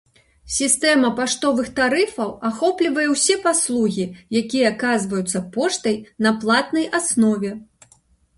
Сістэма паштовых тарыфаў ахоплівае ўсе паслугі, які аказваюцца поштай на платнай аснове.